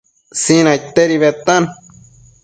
Sinaidtedi bedtan